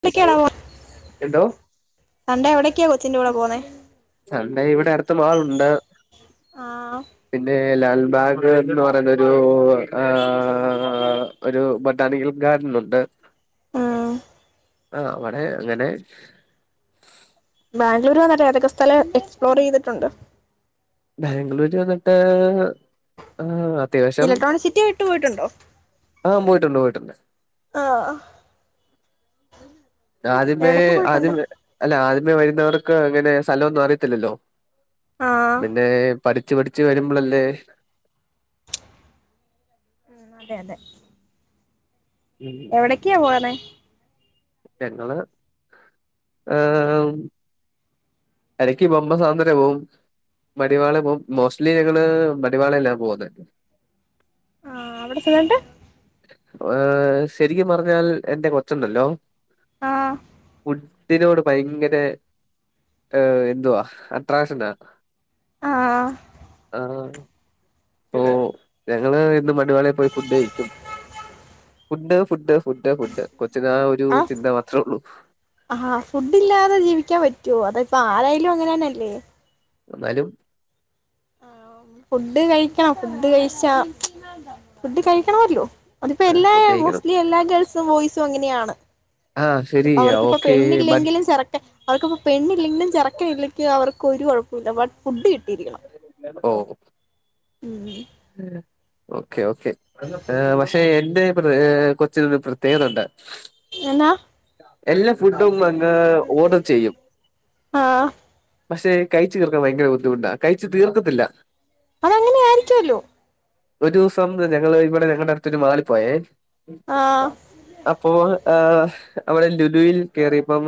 ഒറ്റക്കാണോ [unintelligible] എന്തോ സൺ‌ഡേ എവിടേക്കാ കൊച്ചിന്റെ കൂടെ പോന്നേ സൺ‌ഡേ ഇവിടെ അടുത്ത മാളുണ്ട് ആഹ് പിന്നെ ലാൽബാഗ് എന്ന് പറയുന്നൊരു ആഹ് ഒരു ബൊട്ടണിക്കൽ ഗാർഡൻ ഉണ്ട് ആഹ് ആഹ് അവിടെ അങ്ങനെ ബാംഗ്ലൂർ വന്നിട്ട് ഏതെക്കെ സ്ഥലം എക്സ്പ്ലോർ ചെയ്തിട്ടുണ്ട് ബാംഗ്ലൂര് വന്നിട്ട് ആഹ് അത്യാവശ്യം ഇലക്ട്രോണിക് സിറ്റി വിട്ട് പോയിട്ടുണ്ടോ ആഹ് പോയിട്ടുണ്ട് പോയിട്ടുണ്ട് ആഹ് ആദ്യമേ എവിടൊക്കെ പോയിട്ടുണ്ട് ആദ്യമേ അല്ല ആദ്യമേ വരുന്നവർക്ക് അങ്ങനെ സ്ഥലൊന്നും അറിയത്തില്ലല്ലോ ആഹ് പിന്നെ പഠിച്ചു പഠിച്ച് വരുമ്പളല്ലേ ഉം അതെ അതെ എവിടെക്കാ പോണെ ഞങ്ങള് ഏഹ് ഇടക്ക് ബൊമ്മ സാന്ന്ദര്യം പോവും മടിവാള പോ മോസ്റ്റ്ലി ഞങ്ങള് മടിവാള എല്ലാം പോകുന്നുണ്ട് ആഹ് അവിടെ ചെന്ന്ട്ട് ഏഹ് ശരിക്കും പറഞ്ഞാൽ എന്റെ കൊച്ചുണ്ടല്ലോ ആഹ് തിനോട് ഭയങ്കര എന്തുവാ അട്രാക്ഷൻ ഉണ്ടാർന്ന് ആഹ് ആഹ് അപ്പോ ഞങ്ങള് ഇന്ന് മടിവാളയി പോയി ഫുഡ് കഴിക്കും ഫുഡ് ഫുഡ് ഫുഡ് ഫുഡ് കൊച്ചിന ആ ഒരു ആഹ് ചിന്ത മാത്ര ഉള്ളൂ ആഹ് ഫുഡ് ഇല്ലാതെ ജീവിക്കാൻ പറ്റുവോ അത് ഇപ്പൊ ആരായാലും അങ്ങനെ തന്നെല്ലേ എന്നാലും ഫുഡ് കഴിക്കണം ഫുഡ് കഴിച്ച ഫുഡ് കഴിക്കണമല്ലോ അതിപ്പോ ഏഹ് എല്ലാ ഫുഡ് കഴിക്കണം. മോസ്റ്റ്ലി എല്ലാ ഗേൾസും ബോയ്സും അങ്ങനെയാണ് ആഹ് ശരി അവർക്ക്പ്പ ഓക്കെ ബട്ട് പെണ്ണില്ലെങ്കിലും ചെറക്കെ അവർക്കിപ്പ പെണ്ണില്ലെങ്കിലും ചെറക്ക ഇല്ലെങ്കി അവർക്ക് ഒരു കുഴപ്പൊല്ല ബട്ട് ഫുഡ് കിട്ടിയിരിക്കണം ഓ ഉം ഓക്കെ ഓക്കേ പക്ഷെ എന്റെ കൊച്ചിനൊരു പ്രത്യേകതണ്ട് എന്നാ എല്ലാ ഫുഡും അങ്ങ് ഓർഡർ ചെയ്യും ആഹ് പക്ഷെ കഴിച്ച് തീർക്കാൻ ഭയങ്കര ബുദ്ധിമുട്ടാ കഴിച്ച് തീർക്കത്തില്ല അതങ്ങനെ ആയിരിക്കൊല്ലോ ഒരു ദിവസം ഞങ്ങള് ഇവിടെ ഞങ്ങളുടെ അടുത്തൊരു മാളി പോയേ ആഹ് അപ്പോ ആ അവള് ലുലുൽ കേറിയപ്പം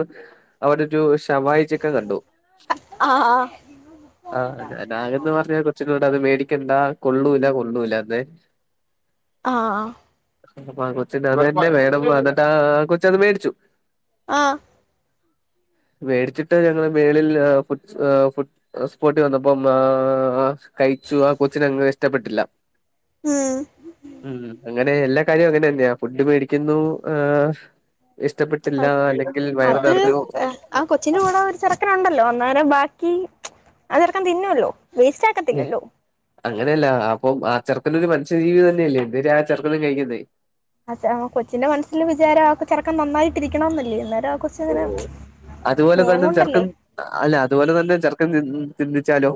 അവിടെ ഒരു ശവായ ചെ ക്കെ കണ്ടു ആഹ് ആഹ് ഞാനാക്ന്ന് പർഞ് കൊച്ചിനോട്‌ അത് മേടിക്കണ്ട കൊള്ളൂല്ല കൊള്ളൂല്ല ന്ന് ആ ആ അ ആ കൊച്ചിന്റെ [unintelligible] വേണംന്ന് പർഞ്ട്ട് ആ കൊച്ചത് മേടിച്ചു ആ വേടിച്ചിട്ട് ഞങ്ങള് മേളിൽ ഫുഡ്സ് ഫുഡ് അ സ്പോട്ടി വന്നപ്പം ആ കഴിച്ചു ആ കൊച്ചിനങ്ങനെ ഇഷ്ടപ്പെട്ടില്ല ഉം ഉം അങ്ങനെ എല്ലാ കാര്യവും അങ്ങനെന്ന്യാ ഫുഡ് മേടിക്കുന്നു ഹ് ഇഷ്ടപ്പെട്ടില്ല അല്ലെങ്കിൽ വയറ് അത് നറഞ്ഞു ആ കൊച്ചിന്റെ കൂടെ ഒരു ചെർക്കനുണ്ടല്ലോ അന്നേരം ബാക്കി അത് ചെർക്കൻ തിന്നല്ലോ വേസ്റ്റാ അങ്ങനെല്ല അപ്പൊ ആ ചെർക്കനൊരു മനുഷ്യജീവി തന്നെയല്ലേ ന്നേരം ആ ചെർക്കനും കഴിക്കണ്ടെ അ കൊച്ചിന്റെ മനസ്സില് വിചാരം ആ ചെർക്കൻ നന്നായിട്ടിരിക്കണംന്നല്ലേ അന്നേരാ കൊച്ച് ഓ അതുപോലെ തന്നെ ചെർക്കൻ അല്ല അതുപോലെ തന്നെ ചെർക്കൻ ചിന്തിച്ചാലും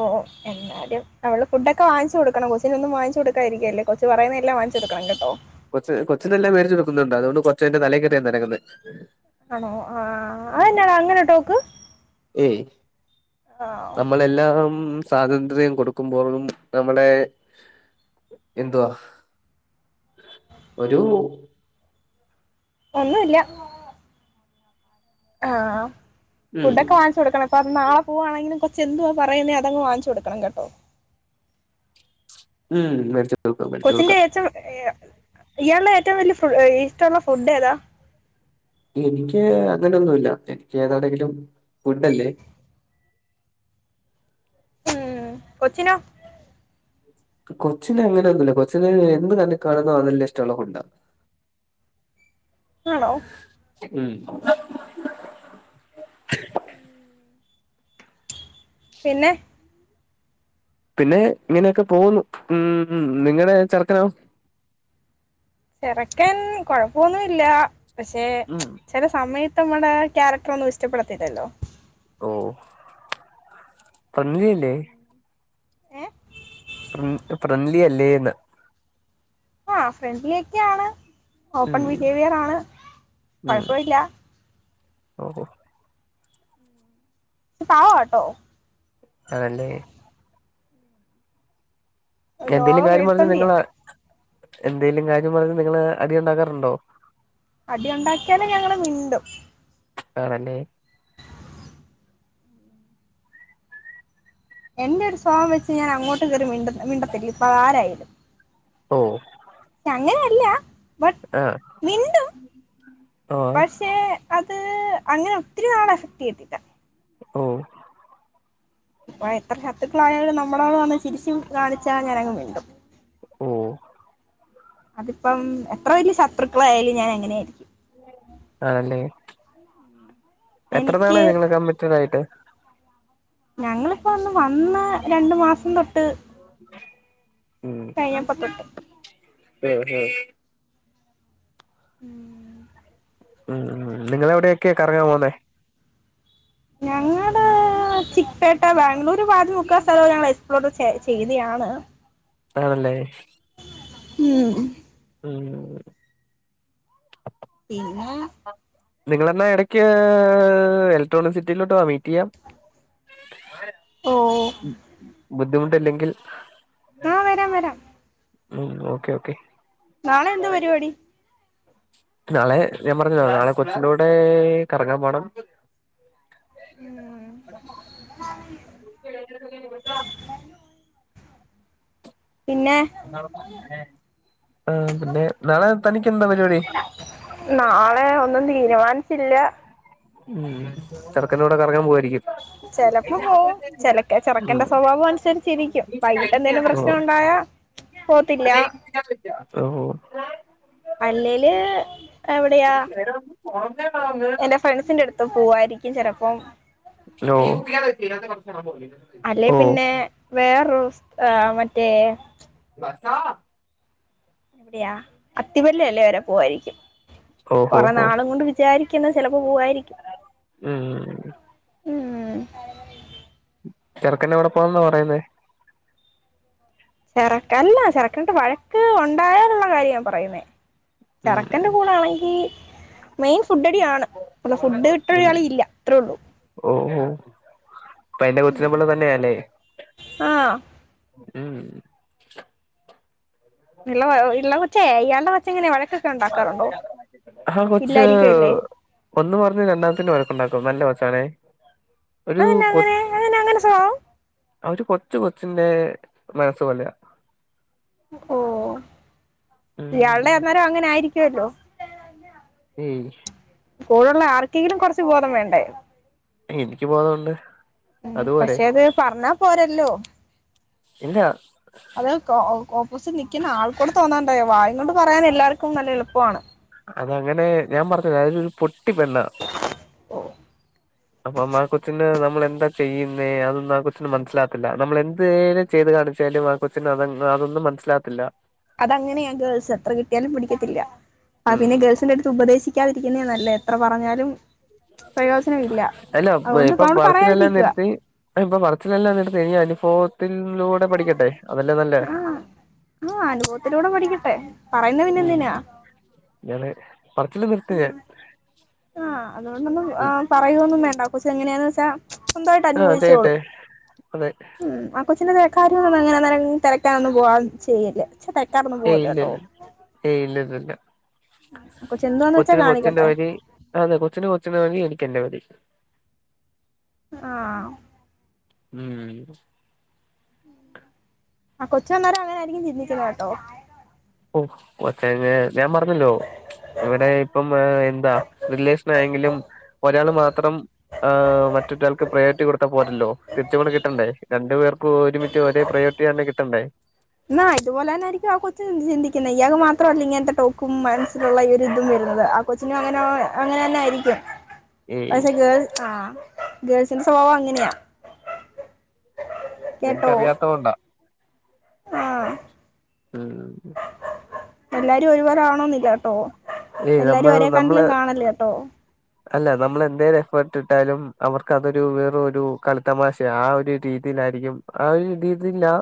ഓ ഓ എ ആ അവള് ഫുഡൊക്ക വാങ്ങിച്ച് കൊടുക്കണം കൊച്ചിനൊന്നും വാങ്ങിച്ച കൊടുക്കാരിക്കല്ലെ കൊച്ച് പറയുന്നതെല്ലാം വാങ്ങിച്ച് കൊടുക്കണം കേട്ടോ കൊച്ച് കൊച്ച്നെല്ലാം മേടിച്ചു കൊടുക്കുന്നുണ്ട് അതോണ്ട് കൊച്ചെന്റെ തലേക്കേറിയാ നെരങ്ങുന്നെ ആണോ ആ അതെന്നാടാ അങ്ങനൊര് ടോക്ക് ഏയ് ആ, നമ്മളെല്ല ല്ലാം സ്വാതന്ത്ര്യം കൊടുക്കുമ്പോഴും നമ്മളെ എന്തുവാ ഒരു ഒന്നുല്ല ആഹ് ഉം ഫുടൊക്കെ വാങ്ങിച്ചുകൊടുക്കണം പ്പത് നാളെ പോവാണെങ്കിലും കൊച്ച്ന്തുവാ പറയുന്നെ അതങ് വാങ്ങിച്ചു കൊടുക്കണം കേട്ടോ ഉം വേടിച്ച് കൊച്ചിന്റെ ഏറ്റും ഏഹ് ഇയാളുടെ ഏറ്റവും വല്യ ഇഷ്ടള്ള ഫുഡേതാ എനിക്ക് അങ്ങനെയൊന്നുല്ല എനിക്കേതാണെങ്കിലും ഫുഡല്ലേ ഉം കൊച്ചിനോ കൊച്ചിന് അങ്ങനൊന്നുല്ല കൊച്ചിന് എന്ത് കണ്ണി കാണ്ന്നോ അതെല്ലം ഇഷ്ടള്ള ഫുഡ ആണോ ഉം പിന്നെ പിന്നെ ഇങ്ങനെയൊക്കെ പോവുന്നു ഉം നിങ്ങടെ ചെർക്കനോ ചെർക്കൻ കൊഴപ്പൊന്നുല്ല പക്ഷെ ഉം ചെല സമയത്ത് നമ്മടെ ക്യാരക്ടറൊന്നും ഇഷ്ടപ്പെടത്തില്ലല്ലോ ഓഹ് [unintelligible] ഏഹ് ഫ്രൺ ഫ്രണ്ട്ലി അല്ലേന്ന് ആ ഫ്രണ്ട്ലി ഒക്കെയാണ് ഓപ്പൺ ഉം ബിഹേവിയറാണ് കൊഴപ്പവില്ല ഓഹോ പാവാട്ടോ അതെല്ലെ ലോക ക്കെന്തേലും കാര്യം പർഞ് പേടിത്തൊണ്ടിയാ നിങ്ങള് എന്തേലും കാര്യം പർഞ് നിങ്ങള് അടിയുണ്ടാക്കാറുണ്ടോ അടിയുണ്ടാക്ക്യാലും ഞങ്ങള് മിണ്ടും ആണല്ലേ എന്റൊരു സ്വാ വെച്ച് ഞാനങ്ങോട്ട് കേറി മിണ്ട മിണ്ടത്തില്ല. ഇപ്പൊ ആരായാലും. ഓഹ്. ശേ അങ്ങനെയല്ല ബട്ട് ആ മിണ്ടും ഓ പക്ഷെ. അത് അങ്ങനെ ഒത്തിരി നാൾ എഫക്റ്റെയ്യത്തില്ല. ഓഹ്. അപ്പ എത്ര ശത്രുക്കളായാലും നമ്മളോട് വന്ന് ചിരിച്ചും കാണിച്ചാ ഞാനങ്ങ് മിണ്ടും. ഓഹ്. അതിപ്പം എത്ര വല്യ ശത്രുക്കളായാലും ഞാൻ അങ്ങനെയായിരിക്കും. ആണല്ലേ എനിക്ക് എത്രനാളായി നിങ്ങള് കമ്മിറ്റെടായിട്ട്? ഞങ്ങളിപ്പൊന്ന് വന്ന് രണ്ട്‌ മാസം തൊട്ട്. ഉം കഴിഞ്ഞപ്പ തൊട്ട്. [unintelligible] ഉം ഉം ഉം നിങ്ങളെവിടെയൊക്കെ കറങ്ങാൻ പോവുന്നേ. ഞങ്ങള് ള് ചിക്പ്പേട്ട ബാംഗ്ലൂര് പാതിമുക്ക സ്ഥലവും ഞങ്ങള് എക്സ്പ്ലോർ ചെയ് ചെയ്തെയാണ്. ആണല്ലേ. ഉം ഉം ഉം പിന്നാ നിങ്ങളെന്നാ എടക്ക് എലക്ട്രോണിക് സിറ്റിയിലോട്ട് വാ മീറ്റെയ്യാം. ഓ ബുദ്ധിമുട്ടില്ലെങ്കിൽ. ആഹ് വരാം വരാം. ഉം ഓക്കേ ഓക്കേ. നാളെ എന്താ പരിപാടി നാളെ ഞാൻ പറഞ്ഞല്ലോ നാളെ കൊച്ചിന്റെ കൂടെ കറങ്ങാൻ പോണം. ഉം പിന്നെ ആ പിന്നെ നാളെ തനിക്ക് എന്താ പരിപാടി? നാളെ ഒന്നും തീരുമാനിച്ചില്ല. ഉം ചെറുക്കന്റെ കൂടെ കറങ്ങാൻ പോവാരിക്കും. ചെലപ്പോ പോവും ചെലക്ക ചെറുക്കന്റെ ഉം സ്വഭാവം അനുസരിച്ചിരിക്കും വൈകിട്ട് എന്തെലും പ്രശ്നം ഉണ്ടായാ പോത്തില്ല ഓഹ് അല്ലേല് എവിടെയാ എന്റെ ഫ്രണ്ട്സിന്റെ അടുത്ത് പോവായിരിക്കും ചെലപ്പം ഹലോ അല്ലേ പിന്നെ വേറൊരൂസ് മറ്റേ ബസ്സാ യാ അത്തിപല്ല അല്ല വരെ പോവായിരിക്കും ഓ ഓ ഓ കൊറെ ഓ നാളും കൊണ്ട് വിചാരിക്കുന്നു ചെലപ്പോ പോവായിരിക്കും. ഉം ഉം ചെറുക്കൻ എവിടെ പോണന്നാ പറയുന്നേ ചെറക്കല്ല ചെറുക്കനിട്ട് വഴക്ക് ഉണ്ടായാലുള്ള കാര്യാ ഞാൻ പറയുന്നേ. ഉം ചെറക്കന്റെ കൂടാണെങ്കി മെയിൻ ഫുഡടി ആണ്. ഉം ഉള്ളൂ ഓഹോ ഇപ്പ എന്റെ കൊച്ചിനെ പോലെ തന്നെയാ ലേ ആഹ് ഉം ഇള്ള കൊച്ചേ ഇയാളുടെ കൊച്ചെങ്ങനെ വഴക്ക് ആ കൊച്ച് ഇല്ലായിരിക്കുംല്ലേ ഒന്ന് പറഞ്ഞ് രണ്ടാമത്തിന് വഴക്കുണ്ടാക്കും നല്ല കൊച്ചാണെ ഒരു അതെന്നാ കൊ അങ്ങനെ അതെന്നാ അങ്ങനെ സ്വഭാവം ഒരു കൊച്ചു കൊച്ചിന്റെ മനസ്സ് പോലയാ ഓ ഇയാളുടെ ഉം അന്നേരം അങ്ങനെ ആയിരിക്കുവല്ലോ ഏ ഹ് കൂടെയുള്ള ആർക്കെങ്കിലും കുറച്ച് ബോധം വേണ്ടേ എനിക്ക് ബോധണ്ട് ഉം പക്ഷെ അത് പറഞ്ഞാ പോരല്ലോ ഇല്ല അത് ഓപ്പോസിറ്റ് നിക്കുന്ന ആൾക്കൂടെ തോന്നണ്ടായോ വായും കൊണ്ട് പറയാൻ എല്ലാവർക്കും നല്ല എളുപ്പമാണ് അതങ്ങനെ ഞാൻ പറഞ്ഞത് അതൊരു പൊട്ടി പെണ്ണാ അപ്പം ആ കൊച്ചിന് നമ്മൾ എന്താ ചെയ്യുന്നേ അതൊന്നും ആ കൊച്ചിന് മനസ്സിലാവത്തില്ല നമ്മളെന്തേലും ചെയ്ത് കാണിച്ചാലും ആ കൊച്ചിന് അതന്നാ ന്നും മനസ്സിലാവത്തില്ല അതങ്ങനെയാ ഗേൾസ് എത്ര കിട്ടിയാലും പി ടിക്കത്തില്ല ആ ഉം പിന്നെ ഗേൾസിന്റെ അടുത്ത് ഉപദേശിക്ക ക്കാതിരിക്കുന്നേ നല്ലേ എത്ര പറഞ്ഞാലും പ്രയോജനം ഇല്ല അല്ല അതുകൊണ്ട് ഇപ്പ ഇപ്പൊ നമ്മള് പറച്ചിലെല്ലാം പറയാതിരിക്കുക നിർത്തി ആ ഇപ്പ പറച്ചിലെല്ലാം നിറുത്തി ഇനി അനുഭവത്തിലൂടെ പഠിക്കട്ടെ അതല്ലേ നല്ലേ ആ അനുഭവത്തിലൂടെ പടിക്കട്ടെ ഉം ഞാൻ പറച്ചില് നിർത്തി ഞാൻ ആ അതുകൊണ്ടൊന്നും ഉം പറയൊന്നും വേണ്ട കൊച്ച് എങ്ങനെയാന്ന് വെച്ചാ സ്വന്തമായിട്ട് ആ അതെ അനുഭവിച്ചോളും അതെഅതെ ഉം ആ കൊച്ചിന്റെ കാര്യമൊന്നും അങ്ങനെ തിരക്കാനൊന്നും പോവാൻ ചെയ്യല്ല [unintelligible] ഏയ് ഇല്ലല്ല ഏയ് ഇല്ല ഇല്ല ആ കൊച്ചു എന്തുവാന്ന് വെച്ചാ കൊച്ചിന് കൊച്ചിന്റെ കാണിക്കട്ടെ വഴി അതെ കൊച്ചിന് കൊച്ചിന്റെ വഴി എനിക്ക് എന്റെ വഴി ആ ഉം ആഹ് കൊച്ച് അന്നേരം അങ്ങനെ ആയ്രിക്കും ചിന്തിച്ചത് കേട്ടോ ഓഹ് കൊച്ചങ്ങ് ഞാൻ പറഞ്ഞല്ലോ ഇവിടെ ഇപ്പം എന്താ റിലേഷൻ ആയെങ്കിലും ഒരാൾ മാത്രം ആഹ് മറ്റൊരാൾക്ക് പ്രയോരിറ്റി കൊടുത്താൽ പോരല്ലോ തിരിച്ചുകൂടെ കിട്ടണ്ടേ രണ്ടു പേർക്കും ഒരുമിച്ച് ഒരേ പ്രയോരിറ്റി തന്നെ കിട്ടണ്ടേ എന്ന ഇതുപോലെ തന്നെയായിരിക്കും ആഹ് കൊച്ചും ചിന്തിക്കുന്നേ ഇയാക്ക് മാത്രല്ല ഇങ്ങനത്തെ ടോക്കും മനസ്സിലുള്ള ഈ ഒരു ഇതും വരുന്നത് കൊച്ചിനും അങ്ങനോ അങ്ങന തന്നെ ആയിരിക്കും ഏയ് പക്ഷെ ഗേൾ ആഹ് ഗേൾസിന്റെ സ്വഭാവം അങ്ങനെയാ നിങ്ങക്ക് കേട്ടോ അറിയാത്തത് കൊണ്ടാ ആ ഉം എല്ലാരും ഒരുപോലെ ആവണോന്നില്ല ട്ടോ ഏയ് എല്ലാരും നമ്മൾ ഒരേ നമ്മള് കണ്ണിലും കാണല്ല ട്ടോ അല്ല നമ്മള് എന്തേലും എഫേർട്ട് ഇട്ടാലും അവർക്ക് അതൊരു വേറൊരു കളിത്തമാശ ആഹ് ഒരു രീതിയിലായിരിക്കും ആ ഒര് രീതിയിലാ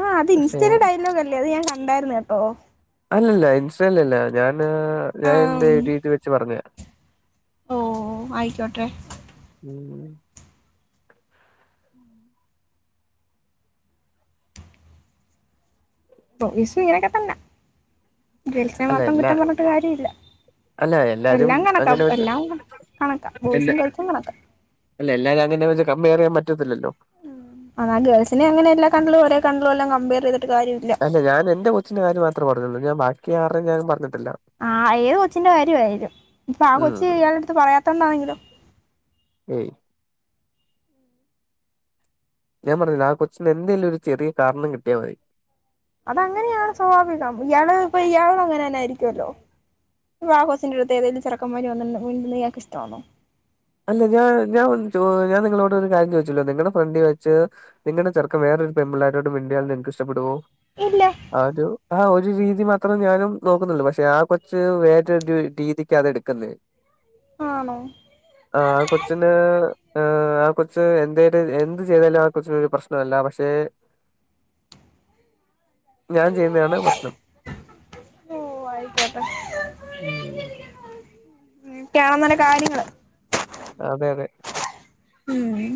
ആഹ് അത് ഇൻസ്‌റ്റേലെ ഡയലോഗ് അല്ലേ അത് ഞാൻ കണ്ടായരുന്നു കേട്ടോ അല്ലല്ല ഇൻസറ്റേ ല്ല ഞാന് ഞാൻ എന്റെ ആഹ് രീതി വെച്ച് പറഞ്ഞ ഓഹ് ആയിക്കോട്ടെ ഉം ബോയ്സും ഇങ്ങനെയൊക്കെ തന്നെ ഗേൾസിനെ അല്ല മാത്രം എല്ലാ കുറ്റം പറഞ്ഞിട്ട് കാര്യവില്ല അല്ല എല്ലാരും എല്ലാം കണക്കാ അങ്ങനെ വെച്ച് എല്ലാം കണക്ക ബോയ്സും ഗേൾസും കണക്ക അല്ല എല്ലാരും അങ്ങനെ വെച്ച് കമ്പയർ ചെയ്യാൻ പറ്റത്തില്ലല്ലോ ഉം എന്ന ഗേൾസിനെ അങ്ങനെ എല്ലാ കണ്ണിലും ഒരേ കണ്ണിലും എല്ലാം കമ്പെയർ ചെയ്തിട്ട് കാര്യം അല്ല ഞാൻ എന്റെ കൊച്ചിന്റെ കാര്യം മാത്രേ പറഞ്ഞുള്ളൂ ഞാൻ ബാക്കി ആർടേം ഞാൻ പറഞ്ഞിട്ടില്ല ആഹ് ഏത് കൊച്ചിന്റെ കാര്യം ആയാലും ഇപ്പൊ ആഹ് ഉം കൊച്ചു ഇയാളടുത്ത് പറയാത്തോണ്ടാണെങ്കിലോ ഏയ്‌ ഞാൻ പറഞ്ഞില്ലേ ആഹ് കൊച്ചിന് എന്തേലും ഒരു ചെറിയ കാരണം കിട്ടിയ മതി അതങ്ങനെയാണ് സ്വാഭാവികം ഇയാള് ഇപ്പൊ ഇയാള് അങ്ങനെ തന്ന ആയിരിക്കുവല്ലോ ഇപ്പൊ ആഹ് കൊച്ചിന്റെ അടുത്ത് ഏതേലും ചെറക്കമാര് വന്നിരുന്ന് മിണ്ടുന്ന ഇയാൾക്ക് ഇഷ്ടമാണോ അല്ല ഞാൻ ഞാൻ ഞാൻ നിങ്ങളോട് ഒരു കാര്യം ചോദിച്ചല്ലോ നിങ്ങടെ ഫ്രണ്ടി വെച്ച്- നിങ്ങടെ ചെറുക്കൻ വേറൊരു പെൺപുള്ളാരോട് മിണ്ടിയാൽ നിങ്ങക്ക് ഇഷ്ട്ടപ്പെടുവോ ഇല്ല ആഹ് ഒരു ആഹ് ഒരു രീതി മാത്രേ ഞാനും നോക്കുന്നുള്ളൂ പക്ഷെ ആ കൊച്ച് വേറൊരു രീതിക്ക്‌ അത് എടുക്കുന്നില്ല ആണോ ആഹ് കൊച്ചിന് ആഹ് കൊച്ച് എന്തേലും എന്ത് ചെയ്താലും ആഹ് കൊച്ചിന് ഒരു പ്രശ്നല്ല പക്ഷെ- ഞാൻ ചെയ്യുന്നെയാണ് പ്രശ്നം ഓ കാണ [unintelligible] ന്നല്ല കാര്യങ്ങള് അതെ അതെ ഉം